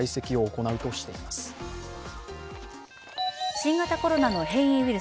新型コロナの変異ウイル